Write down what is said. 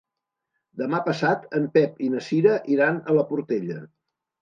Demà passat en Pep i na Cira iran a la Portella.